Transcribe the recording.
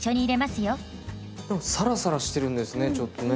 サラサラしてるんですねちょっとね。